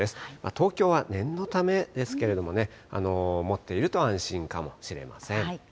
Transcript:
東京は念のためですけれどもね、持っていると安心かもしれません。